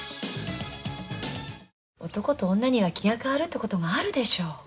男と女には気が変わるってことがあるでしょう。